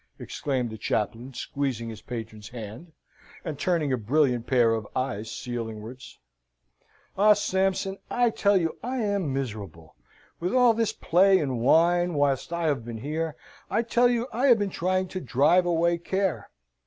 exclaimed the chaplain, squeezing his patron's hand, and turning a brilliant pair of eyes ceilingwards. "Oh, Sampson! I tell you I am miserable. With all this play and wine, whilst I have been here, I tell you I have been trying to drive away care.